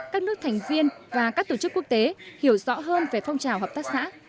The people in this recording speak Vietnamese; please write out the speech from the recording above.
các nước thành viên và các tổ chức quốc tế hiểu rõ hơn về phong trào hợp tác xã